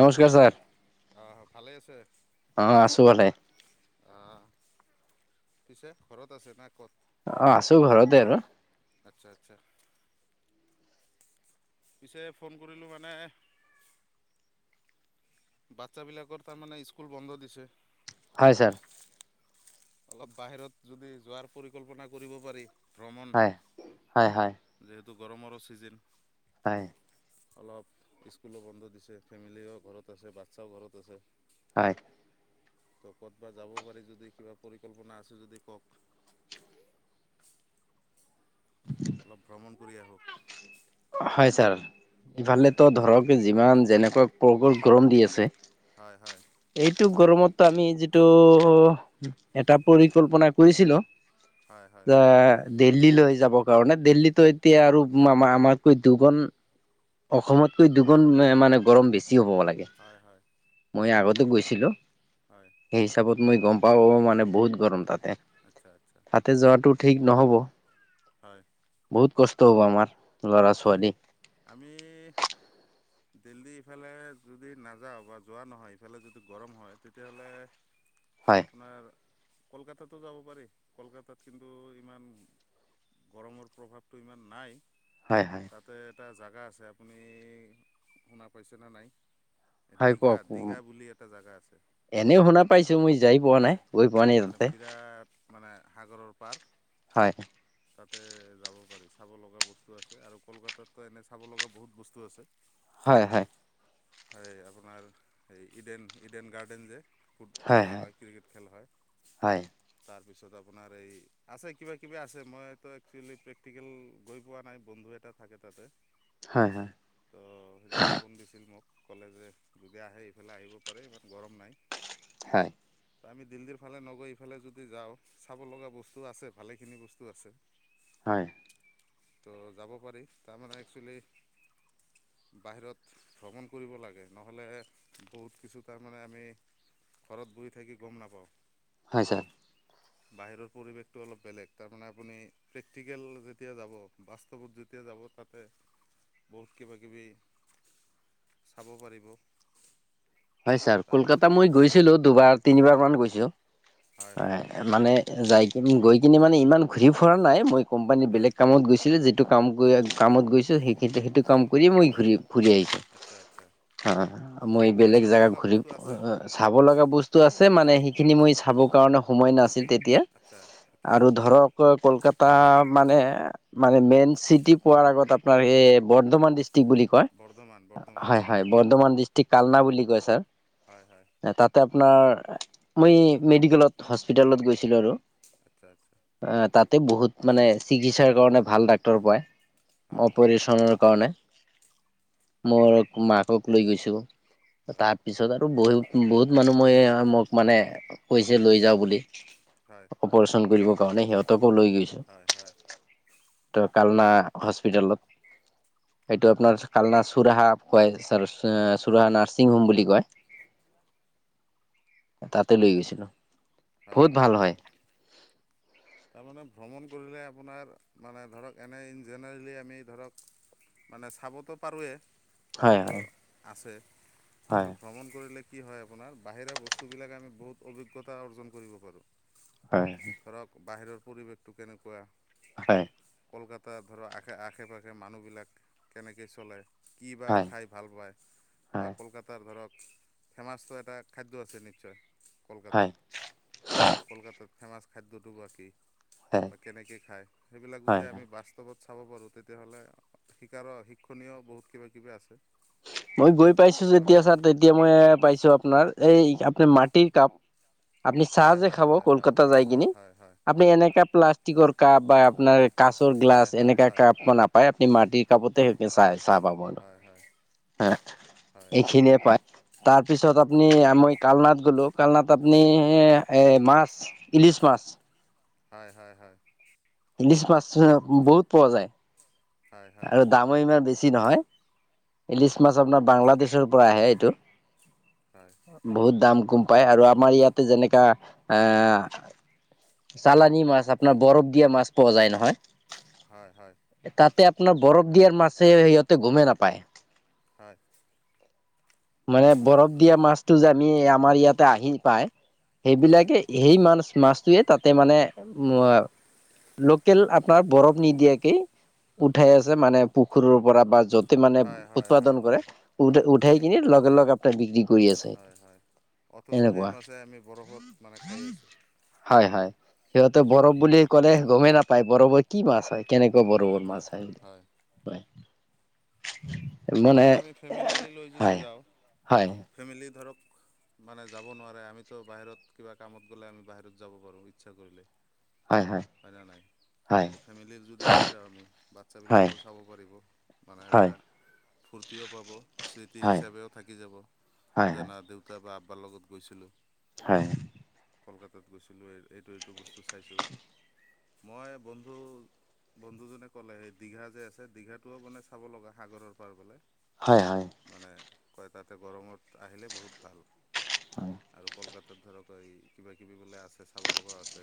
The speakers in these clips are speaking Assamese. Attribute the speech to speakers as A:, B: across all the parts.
A: নমস্কাৰ ছাৰ
B: অ', ভালেই আছে
A: অ আছো ভালে
B: অ', পিছে ঘৰত আছে না ক'ত
A: অ আছো ঘৰতে আৰু
B: আচ্ছা আচ্ছা পিছে ফোন কৰিলোঁ মানে বাচ্ছ বিলাকৰ তাৰমানে স্কুল বন্ধ দিছে
A: হয় ছাৰ
B: অলপ বাহিৰত যদি যোৱাৰ পৰিকল্পনা কৰিব পাৰি।
A: হয় হয়
B: কিটো গৰমৰ ছিজন
A: হয়।
B: অলপ স্কুলো বন্ধ দিছে ফেমিলিও ঘৰত আছে বাচ্ছাও ঘৰত আছে
A: হয়
B: ত ক'তব যাব পাৰি যদি কিবা পৰিকল্পনা আছে যদি কওক অলপ ভ্ৰমণ কৰি আহো
A: হয় ছাৰ ইফালেতো ধৰক যিমান যেনেকুৱা [unintelligible] গৰম দি আছে
B: হয় হয়
A: এইটো গৰমতো আমি যিটো এটা পৰিকল্পনা কৰিছিলোঁ
B: হয় হয়
A: যে দিল্লীলৈ যাব কাৰণে দিল্লীতো এতিয়া আৰু আ আমাৰকৈ দুগুণ অসমতকৈ দুগুণ এ মানে গৰম বেছি হ'ব লাগে
B: হয় হয়
A: মই আগতে গৈছিলোঁ
B: হয়
A: সেই হিচাপত মই গম পাব মানে বহুত গৰম তাতে
B: আচ্ছা আচ্ছা
A: তাতে যোৱাটো ঠিক নহ'ব
B: হয়।
A: বহুত কষ্ট হ'ব আমাৰ ল'ৰা ছোৱালী
B: আমি দিল্লী ইফালে যদি নাযাওঁ বা যোৱা নহয় ইফালে যদি গৰম হয় তেতিয়াহ'লে
A: হয়
B: আপোনাৰ কলকাতাতো যাব পাৰি কলকাতাত কিন্তু ইমান গৰমৰ প্ৰভাৱটো ইমান নাই
A: হয় হয়
B: তাতে এটা জাগা আছে আপুনি শুনা পাইছেনে নাই
A: হয়
B: দীঘা
A: কওক
B: দীঘা বুলি এটা জাগা আছে
A: এনেও শুনা পাইছো মই যাই পোৱা নাই
B: হয়
A: গৈ পোৱা নাই তাতে হয়
B: পাৰ্ক তাতে যাব পাৰি চাব লগা বস্তু আছে আৰু কলকাতাত ত এনে চাব লগা বহুত বস্তু আছে।
A: হয় হয়
B: আপোনাৰ এই ইডেন ইডেন গাৰ্ডেন যে ফুট খেলা হয় ক্ৰিকেট খেলা হয়
A: হয়
B: তাৰ তাৰপিছত আপোনাৰ এই আছে কিবা কিবা আছে মইয়োএকচুৱেলি প্ৰেক্টিকেল গৈ পোৱা নাই বন্ধু এটা থাকে তাতে
A: হয় হয়
B: তো সেইদিনা ফোন দিছিল মোক কলে জে যদি আহে এইফালে আহিব পাৰে ইমান গৰম নাই।
A: হয়।
B: ত আমি দিল্লীৰ ফালে নগৈ এইফালে যদি যাওঁ চাব লগা বস্তু আছে ভালেখিনি বস্তু আছে।
A: হয়।
B: ত' যাব পাৰি তাৰমানে একচোৱেলি বাহিৰত ভ্ৰমণ কৰিব লাগে নহ'লে বহুত কিছু তাৰমানে আমি ঘৰত বহি থাকি গম নাপাওঁ।
A: হয় ছাৰ।
B: বাহিৰৰ পৰিৱেশটো অলপ বেলেগ তাৰমানে আপুনি প্ৰেক্টিকেল যেতিয়া যাব বাস্তৱত যেতিয়া যাব তাতে বহুত কিবা কিবি চাব পাৰিব।
A: হয় ছাৰ কলকাতা
B: তাৰপিছত
A: মই গৈছিলোঁ দুবাৰ তিনিবাৰ
B: হয়
A: মান গৈছোঁ। হয় মানে যায় গৈ কিনে মানে ইমান ঘূৰি ফুৰা নাই মই কোম্পানীৰ
B: হয়
A: বেলেগ কামত গৈছিলে যেতি সেইটো কাম কৰি কামত গৈছোঁ সেইখিন সেইটো কাম কৰি মই ঘূৰিম ঘুৰি আহিছোঁ
B: আচ্ছা আচ্ছা
A: অ' মই
B: এনে
A: বেলেগ
B: চাব
A: জেগাত
B: লগা
A: ঘূৰি
B: বস্তু আছে
A: চাব লগা বস্তু আছে মানে সেইখিনি মই চাবৰ কাৰণে সময় নাছিল। তেতিয়া
B: আচ্ছা আচ্ছা
A: আৰু
B: আচ্ছা
A: ধৰক কলকাতা মানে মানে মেইন চিটি পোৱাৰ আগত আপোনাৰ এই বৰ্ধমান দি বুলি কয়
B: বৰ্ধমান বৰ্ধমান
A: হয় হয় বৰ্ধমান ডিষ্ট্ৰিক কালনা বুলি কয় ছাৰ।
B: হয়, হয়।
A: তাতে আপোনাৰ মই মেডিকেলত হস্পিটেলত গৈছিলোঁ আৰু
B: আচ্ছা আচ্ছা
A: তাত তাতে বহুত মানে চিকিৎসাৰ কাৰণে ভাল ডাক্তৰ পায়
B: হয় হয়
A: অপাৰেচনৰ কাৰণে। মোৰ মাকক লৈ গৈছো
B: হয়
A: তাৰপিছত আৰু বহি বহুত মানুহ মই মোক মানে কৈছে লৈ যাওঁ বুলি
B: হয়।
A: অপাৰেচন কৰিব। কাৰণে সিহঁতকো লৈ গৈছো
B: হয় হয়
A: ত' কালনা হস্পিতালত। এইটো আপোনাৰ কালনা চুৰহা কয় [unintelligible] চোৰা নাৰছিং হোম বুলি কয় তাতে লৈ গৈছিলো। বহুত ভাল হয়।
B: তাৰমানে ভ্ৰমণ কৰিলে আপোনাৰ মানে ধৰক এনে এ জেনেৰেলি আমি ধৰক মানে চাবতো পাৰোঁৱেই
A: হয়
B: সেইটোতো
A: হয়
B: আছে।
A: হয়।
B: কিন্তু ভ্ৰমণ কৰিলে কি হয় আপোনাৰ বাহিৰা বস্তুবিলাক আমি বহুত অভিজ্ঞতা অৰ্জন কৰিব পাৰোঁ।
A: হয়।
B: ধৰক বাহিৰৰ পৰিৱেশটো কেনেকুৱা!
A: হয়।
B: কলকাত ধৰক আশে আশে পাশে মানুহবিলাক কেনেকৈ চলে। কি বা খাই ভাল পায় বা
A: হয়
B: কলকাতাৰ ধৰক ফেমাচটো এটা খাদ্য আছে নিশ্চয়।
A: হয়
B: কলকাতাত কলকাতাত ফেমাচ খাদ্যটো বা কি? বা কেনেকে খায় সেইবিলাক যো
A: হয় হয়।
B: আমি বাস্তৱত চাব পাৰোঁ তেতিয়া হ'লে শিকাৰৰ শিক্ষণীয় বহুত কিবা কিবি আছে।
A: মই গৈ পাইছো
B: ধৰক
A: যেতিয়া ছাৰ তেতিয়া মই পাইছো আপোনাৰ এই আপোনাৰ মাটিৰ কাপ আপুনি চাহ
B: হয়
A: যে
B: হয়
A: খাব
B: হয় হয়
A: কলকাতা
B: হয়
A: যাই
B: হয়
A: কিনে
B: হয়
A: আপুনি এনেকা প্লাষ্টিকৰ কাপ বা আপোনাৰ কাচৰ গ্লাছ
B: হয় হয়। হয় হয়
A: এনেকা
B: হয়।
A: কাপ নাপায় আপুনি মাটিৰ কাপতে সেই চাই চাহ পাব।
B: হয় হয়
A: এইখিনিয়ে পায়। তাৰপিছত আপুনি মই কালনাত গ'লোঁ কালনাত আপুনি মাছ ইলিছ মাছ।
B: হয়, হয়।
A: ইলিছ মাছ বহুত পোৱা যায়। আৰু দামো ইমান বেছি নহয়
B: হয় হয় হয়
A: ইলিছ মাছ আপোনাৰ বাংলাদেশৰ পৰা আহে এইটো।
B: হয়।
A: বহুত দাম গম পায় আৰু আমাৰ ইয়াতে যেনেকা আহ চালানি মাছ আপোনাৰ বৰফ দিয়া মাছ পোৱা যায়
B: হয় হয়
A: নহয় তাতে আপোনাৰ বৰফ দিয়াৰ মাছে সিহঁতে গুমেই নাপায়।
B: হয়।
A: মানে বৰফ দিয়া মাছতটো যে আমি আমাৰ ইয়াতে আহি পায়।
B: হয়
A: সেইবিলাকে সেই মাছ মাছটোৱে তাতে মানে উ লোকেল আপোনাৰ বৰফ নিদিয়াকে উঠাই আছে মানে পুখুৰৰ পৰা বা য'ত মানে
B: হয়
A: উৎপাদন
B: হয়
A: কৰে
B: হয় হয়
A: উ উঠাই লগপাৰ বিক্ৰী কৰি আছে
B: হয় হয় অথচ সেই
A: এনেকুৱা
B: মাছে আমি বৰফত মানে খাই আছোঁ
A: হয় হয় সিহঁতে বৰফ বুলি ক'লে গমেই নাপায় বৰফৰ কি মাছ হয় কেনেকুৱা
B: হয়
A: বৰবোৰ মাছ
B: হয় হয়।
A: আহ হয় মানে
B: তানে আমি ফেমিলি লৈ যদি
A: হয়
B: যাওঁ
A: হয়
B: ফেমিলি ধৰক মানে যাব নোৱাৰে আমিতো বাহিৰত কিবা কামত গ'লে আমি বাহিৰত যাব পাৰো ইচ্ছা কৰিলে
A: হয় হয়
B: হয়ৰা নাই
A: হয়
B: ত ফেমিলিৰ যদি লৈ যাওঁ আমি
A: হয়
B: বাচ্ছাবিলাকো চাব পাৰিব মানে এটা
A: হয়
B: ফূৰ্তিও পাব স্মৃতি
A: হয় হয়
B: হিচাপেও থাকি যাব
A: হয়
B: জানা দেউতা বা পাৰ লগত গৈছিলোঁ
A: হয়
B: কলকাতাত গৈছিলোঁ এইটো এইটো বস্তু চাইছোঁ মই বন্ধু বন্ধুজনে কলে সেই দীঘা যে আছে দীঘাটোও মানে চাব লগা সাগৰৰ পাৰ বোলে
A: হয় হয়
B: মানে কয় তাতে গৰমত আহিলে বহুত ভাল
A: হয়
B: আৰু কলকাতা াত ধৰক এই কিবা কিবি বোলে আছে চাব লগা আছে।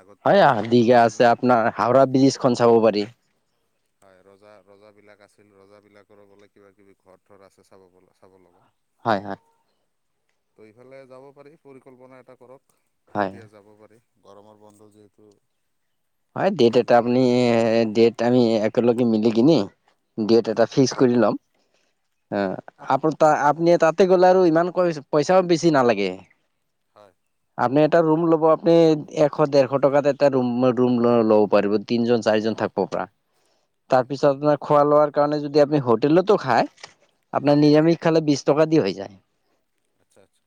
B: আগততো
A: হয়
B: ৰজাসকল
A: দিীঘে
B: আছিল
A: আছে
B: না
A: আপোনাৰ হাওৰা ব্ৰীজখন চাব পাৰি।
B: হয় ৰজা ৰজাবলাক আছিল ৰজাাবলাকৰ বোলে কিবা কিবি ঘৰ থৰ আছে চাব চাব লগা
A: হয় হয়।
B: ত ইফালে যাব পাৰি পৰিকল্পনা এটা কৰক
A: হয়
B: কেতিয়া যাব পাৰি গৰমৰ বন্ধ যিহেতু
A: হয় ডেট
B: পৰিল
A: এটা আপনি ডেট আমি একেলগে মিলি কিিনি ডেট
B: হয়
A: এটা
B: হয়
A: ফিক্স কৰি ল'ম অ
B: হয়
A: আপ আপুনি তাতে গ'লে আৰু ইমান ক পইচাও বেছি নালাগে
B: হয়
A: আপুনি এটা ৰুম ল'ব আপুনি এশ ডেৰশ টকাত এটা ম ৰুম ল'ব পাৰিব তিনজন চাৰিজন
B: হয়
A: থাকিব পৰা
B: হয়
A: তাৰপিছত আপোনাৰ খোৱা লোৱাৰ কাৰণে যদি আপুনি হোটেলতো খায় আপোনাৰ
B: হয়
A: নিৰামিষ খালে বি টকা দি হৈ যায়।
B: আচ্ছা আচ্ছা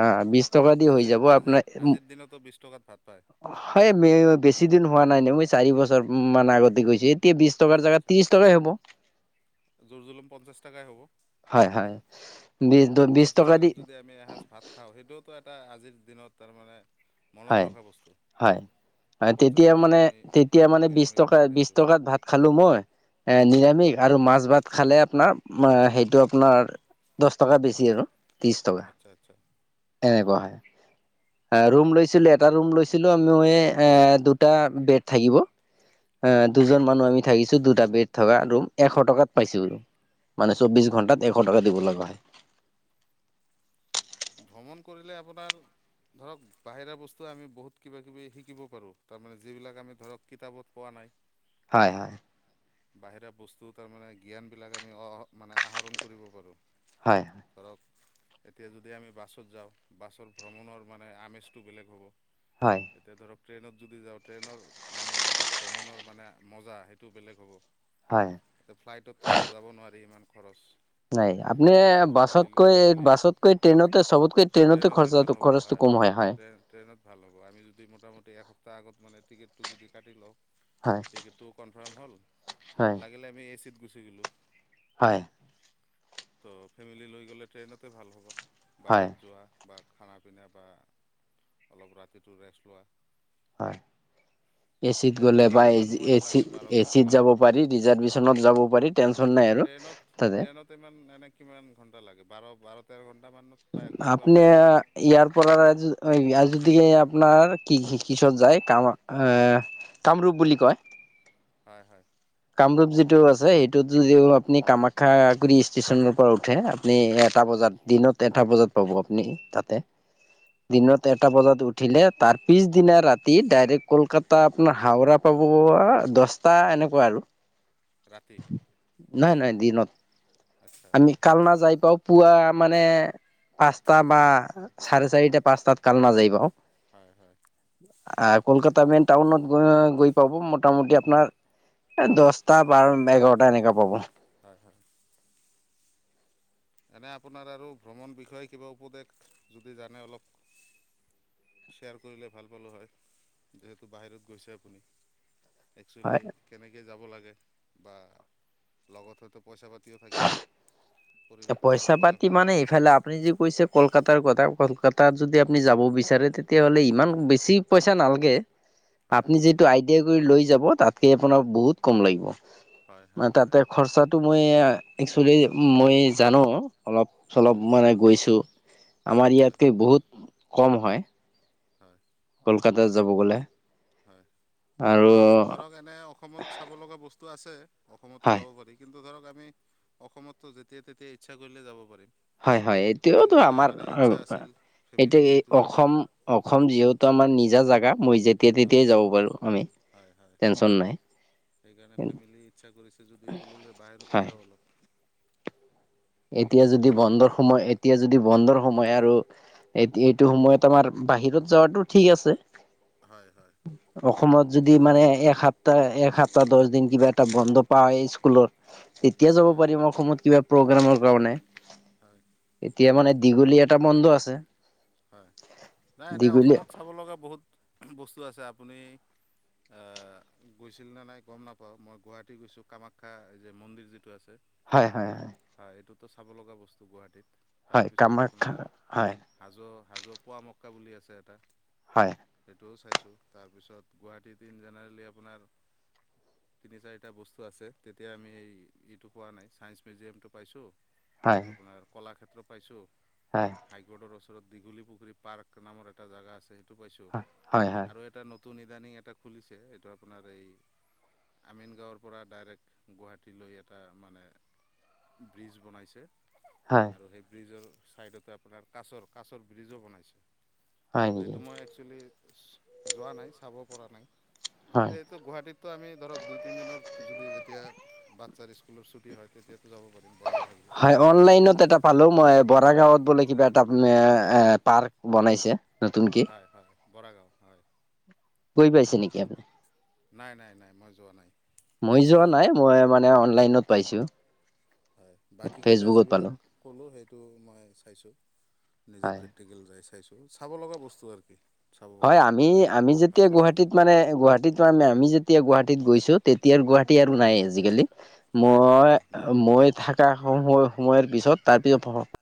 A: অ বিশ টকা দি হৈ
B: আজিৰ
A: যাব
B: আজি
A: আপোনাৰ
B: আজিৰ দিনতো বিছ টকাত ভাত পায়
A: হয় মে
B: এই মোৰ বেছি দিন হোৱা নাই নহয় চাৰি বছৰ মান আগতে গৈছে এতিয়া বিশ টকাৰ জেগাত ত্ৰিশ টকাই
A: বছিদিন হোৱা নাই নাই মই চাৰি বছৰমান আগতে গৈছিল
B: আচ্ছা আচ্ছা জোৰ জুলুম পঞ্চাছ টাকাই হ'ব
A: হয় হয় বিশ
B: তো
A: বিশছ
B: পঞ্চাছ
A: টকা দি
B: টকাত যদি আমি এসাঁজ ভাত খাওঁ সেইটোওতো এটা আজিৰ দিনত তাৰমানে মনত
A: হয়
B: ৰখা বস্তু
A: হয় হয়
B: পঞ্চাছ
A: তেতিয়া
B: টকাত
A: মানে
B: আমি
A: তেতিয়া মানে বিশ
B: নিৰামিষ
A: টকা
B: ভাত
A: বিশ
B: খাইছোঁ।
A: টকাত ভাত খাল মই এ
B: হয়
A: নিৰামিষ আৰু মাছ ভাত খ খালে আপোনাৰ সেইটো আপোনাৰ দহ টকা বেছি আৰু ত্ৰিশ টকা
B: আচ্ছা আচ্ছা
A: এনেকুৱা হয় ৰৰুম লৈ এটা ৰুম লৈছিলো আি দুটা বেড থাকিব আহ
B: হয়
A: দুজন মানুহ আমি থাকিছো দুটা বেড থকা ৰুম এশ টকাত পাইছো বাৰু মানে চৌবিশ
B: হয়
A: ঘণ্টাত এশ টকা দিব লগা হয়।
B: ভ্ৰমণ কৰিলে আপোনাৰ ধৰক বাহিৰা বস্তুৱে আমি বহুত কিবা কিবি শিকিব পাৰোঁ, তাৰমানে যিবিলাক আমি ধৰক কিতাপত পোৱা নাই।
A: হয় হয়।
B: বাহিৰা বস্তু তাৰমানানে জ্ঞানবিলাক আমি মানে আহৰণ কৰিব পাৰোঁ।
A: হয়
B: ধৰক এতিয়া য যদি আমি বাছত যাওঁ বাছৰ ভ্ৰমণৰ মানে আমেজটো বেলেগ হ'ব,
A: হয়
B: এতিয়া ধৰক ট্ৰেইনত যদি যাওঁ ট্ৰেইনৰ মানে যিটো ভ্ৰমণৰ মানে মজা সেইটো বেলেগ
A: হয়
B: হ'ব। ফ্লাইটতটো আৰু যাব নোৱাৰি ইমান খৰচ।
A: নাই আপুনি
B: যিহেতু ফেমিলি
A: বাছতকৈ
B: ফেমিলি
A: বাছতকৈ ট্ৰেইনতে চবতকৈ
B: ট্ৰেইনতে
A: খৰচাটো
B: ভাল হ'ব।
A: খৰচটো
B: হয়
A: কম
B: হয়। ট্ৰেইনত ভাল হ'ব আমি যদি মোটামুটি এসপ্তাহ আগত মান টিকেটটো যদি কাটি লওঁ,
A: হয়
B: টিকেটটোও কনফাৰ্ম হ'ল,
A: হয়
B: লাগিলে আমি এচিত গুচি গ'লোঁ।
A: হয়।
B: ত' ফেমিলি লৈ গ'লে ট্ৰেইনতে ভাল হ'ব
A: হয়
B: বাহিৰত যোৱা। বা খানা পিনা বা অলপ ৰাতিটো ৰেষ্ট লোৱা।
A: হয়। এচিত
B: ট্ৰেইনত
A: গ'লে বা
B: আৰু ইমান সময় নালাগে বাৰ
A: এ-এচিত
B: ঘণ্টামান।
A: যাব পাৰি, ৰিজাৰভেচনত যাব পাৰি টেন
B: ট্ৰেইনত ট্ৰেইনত ইমান এনে কিমান ঘণ্টা লাগে? বাৰ বাৰ তেৰ ঘণ্টা মান।
A: আপনি ইয়াৰ পৰা ইয়াত যদি গতিকে আপোনাৰ কি-কিছত যায়, কাম আহ, কামৰূপ বুলি কয়।
B: হয় হয়।
A: কামৰূপ যিটো আছে সেইটোত যদি আপুনি কামাখ্যাগুৰি ষ্টেচনৰপৰা উঠে আপনি
B: হয়।
A: এটা বজাত দিনত এটা বজাত পাব আপুনি তাতে। দিনত এটা বজাত উঠিলে তাৰ পিছদিনা ৰাতি ডাইৰেক্ট কলকাতা আপোনাৰ হাওৰা পা ক'ব, দহটা এনেকুৱা আৰু।
B: ৰাতি
A: নাই নহাই দিনত।
B: আচ্ছা
A: আমি
B: আচ্ছা।
A: কালনা যাই পাও পুৱা মানে পাঁচটা বা চাৰে চাৰিটা পাঁচটাত কাল নাযায় পাওঁ।
B: হয় হয়।
A: আ, কলকাতা মেইন টাউনত গ-গৈ পাব মোটামুটি আপোনাৰ এ, দহটা বা এঘাৰটা এনেকা পাব।
B: হয় হয়। এনে আপোনাৰ আৰু ভ্ৰমণ বিষয়ে কিবা উপদেশ যদি জানে অলপ শ্বেয়াৰ কৰিলে ভাল পালোঁ হয়, যিহেতু বাহিৰত গৈছে আপুনি।
A: হয়
B: একচুৱেলি কেনেকৈ যাব লাগে বা লগত হয়তো পইচা পাতি থাকিব পৰিৱেশটো অলপ
A: পইচা
B: ক'লে
A: পাতি
B: ভাল
A: মানে
B: লাগে।
A: ইফালে আপুনি যিটো কৈছে কলকাতাৰ কথা কলকাতাত যদি আপুনি যাব বিচাৰে তেতিয়াহ'লে ইমান
B: হয়।
A: বেছি পইচা নালাগে।
B: হয়
A: আপুনি যিটো আইডিয়া কৰি লৈ যাব তাতকে আপোনাৰ বহুত কম লাগিব।
B: হয়
A: ম,
B: হয় হয়
A: তাতে খৰচাটো মই একচোলি মই জানো। অলপ
B: হয়
A: চলপ মানে গৈছোঁ। আমাৰ
B: হয়
A: ইয়াতকে বহুত কম হয়।
B: হয়।
A: কলকাতা যাব গ'লে।
B: হয়
A: আৰু
B: ধৰক এনে অসমত চাব লগা বস্তু আছে, অসমতো
A: হয়
B: যাব পাৰি কিন্তু ত' ধৰক আমি অসমততো যেতিয়া তেতিয়াই ইচ্ছা কৰিলে যাব পাৰিম।
A: হয় হয় এতিয়াওতো
B: সেইকাৰণে
A: আমাৰ
B: মানে ইচ্ছা আছিল ফেমিলি
A: এতিয়া এই
B: যিহেতু যাব।
A: অসম অসম যিহেতু আমাৰ নিজা জাগা। মই যেতিয়া
B: হয়
A: তেতিয়াই যাব পাৰোঁ আমি,
B: হয় হয়
A: টেনচন নাই।
B: সেইকাৰণে ফেমিলি ইচ্ছা কৰিছে যদি ক'লো যে বাহিৰতে
A: হয়।
B: যাওঁ অলপ।
A: এতিয়া যদি
B: চাব
A: বন্দৰ
B: পাৰিম।
A: সোমায় এতিয়া যদি বন্দৰ সোমায় আৰু এই এইটো সময়ত আমাৰ বাহিৰত যোৱাটো ঠিক আছে।
B: হয়, হয়,
A: অসমত যদি মানে এ সপ্তাহ এক সপ্তাহ দশ দিন কিবা এটা বন্ধ পাও এই স্কুলত তেতিয়া যাব
B: হয়
A: পাৰিম
B: হয়
A: অসমত কিবা
B: হয়
A: প্ৰগ্ৰামৰ
B: হয়।
A: কাৰণে।
B: হয়
A: এতিয়া মানে দীঘলীয়া এটা বন্ধ আছে।
B: হয় নাই এনেই
A: দীঘলীয়া
B: অসমত চাব লগা বহুত বস্তু আছে আ, আপুনি আ, গৈছিল নে নাই গম নাপাওঁ মই গুৱাহাটী গৈছোঁ কামাখ্যা যে মন্দিৰ যিটো আছে।
A: হয়, হয়,
B: ত' চাব লগা বস্তু গুৱাহাটীত
A: হয়
B: তাৰপিছত
A: কামাখ্যা
B: আপোনাৰ
A: হয়
B: হাজো হাজ পোৱা মক্কা বুলি আছে এটা।
A: হয়,
B: ত' চাইছো তাৰপিছত গুৱাহাটীত ইন জেনেৰেলি আপোনাৰ তিনি চাৰিটা বস্তু আছে তেতিয়া আমি এই ইটো পোৱা নাই চাইন্ঞ্চ মিউজিয়ামটো পাইছো
A: হয়
B: আপোনাৰ কলাক্ষেত্ৰ পাইছো
A: হয় হয়
B: হাই গডৰ দীঘলী পুখুৰী পাৰ্ক নামৰ এটা জেগা আছে সেইটো পাইছোঁ
A: হয় হয় হয়
B: আৰু এটা ন টো নিদানি এটা খুলিছে সেইটো আপোনাৰ এই আমিন গাঁৱৰ পৰা ডাইৰেক্ট গুৱাহাটীলৈ এটা মানে ব্ৰিজ বনাইছে
A: হয়
B: আৰু সেই ব্ৰিজৰ চাইডতে আপোনাৰ কাছৰ কাছৰ ব্ৰিজো বনাইছে।
A: হয় নেকি
B: এইটো মই একচুৱেলি যোৱা নাই চাব পৰা নাই।
A: হয়
B: এইটো গুৱাহাটীতটো আমি ধৰক দুই তিন দিনৰ যদি যেতিয়া চাৰ স্কুলৰ ছুটি হয় তেতিয়া
A: হয়, অনলাইনত এটা পালো মই বৰা গাঁৱত বোলে কিবা এটা এ পাৰ্ক বনাইছে নতুনকে।
B: হয় হয় বৰাগাঁও হয়,
A: গৈ পাইছে নেকি আপুনি?
B: নাই-নাই-নাই মই যোৱা নাই।
A: মই যোৱা নাই, মই মানে অনলাইনত পাইছো।
B: হয় বাকীকেইটা
A: ফেচবুকত পালো
B: যিবিলাক ক'লোঁ সেইটো মই চাইছো। নিজে
A: হয়
B: প্ৰেক্টিকেল যাই চাইছো চাব লগা বস্তু আৰু কি চাব
A: হয়,
B: পাৰে
A: আমি-আমি
B: ভাল
A: যেতিয়া
B: বস্তু
A: গুৱাহাটীত মানে গুৱাহাটীত ম আমি যি তেতিয়া গুৱাহাটীত গৈছো, তেতিয়াৰ গুৱাহাটী আৰু নাই আজিকালি,
B: নাই নাই নাই নাই
A: মই-মই থাকা সময়ৰ পিছত তাৰপি